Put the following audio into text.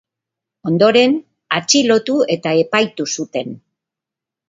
Ondoren, atxilotu eta epaitu zuten.